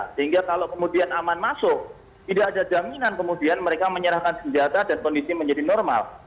sehingga kalau kemudian aman masuk tidak ada jaminan kemudian mereka menyerahkan senjata dan kondisi menjadi normal